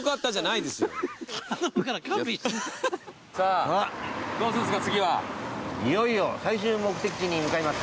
いよいよ最終目的地に向かいます。